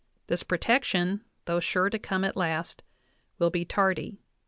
This protection, though sure to come at last, will be tardy" (18).